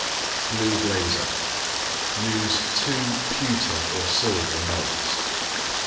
BLUE BLAZER Use two Pewter or Silver Mugs.